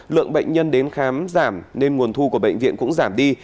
lượng bệnh nhân đến khám giảm nên nguồn thu của bệnh viện cũng giảm đi